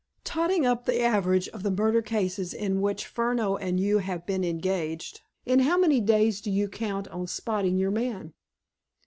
"Totting up the average of the murder cases in which Furneaux and you have been engaged, in how many days do you count on spotting your man?"